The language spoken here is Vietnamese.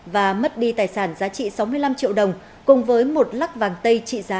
và mất đi tài sản giá trị sáu mươi năm triệu đồng cùng với một lắc vàng tây trị giá